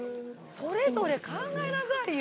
それぞれ考えなさいよ。